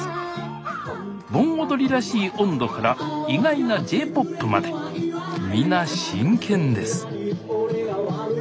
盆踊りらしい音頭から意外なＪ−ＰＯＰまで皆真剣です